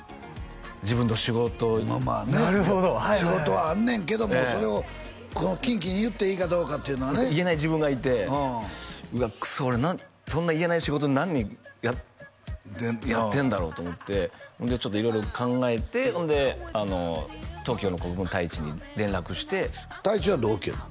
自分の仕事なるほど仕事はあんねんけどもそれをこのキンキに言っていいかどうかっていうのはね言えない自分がいてうわクソ俺何でそんな言えない仕事何やってんだろうと思ってでちょっと色々考えてほんでＴＯＫＩＯの国分太一に連絡して太一は同期やの？